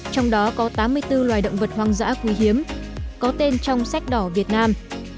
trong đó có tám mươi bốn loài động vật hoang dã quý hiếm có tên trong sách đỏ việt nam